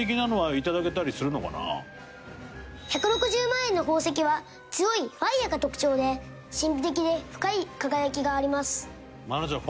１６０万円の宝石は強いファイアが特徴で神秘的で深い輝きがあります。